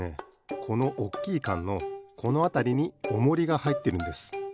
このおっきいカンのこのあたりにオモリがはいってるんです。